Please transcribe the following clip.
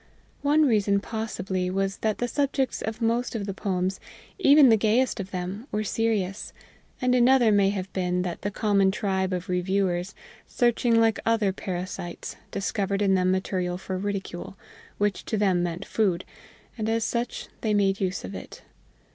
One reason possibly was that the subjects of most of the poems, even the gayest of them, were serious, and another may have been that the common tribe of reviewers, searching like other parasites, discovered in them material for ridicule which to them meant food, and as such they made use of it.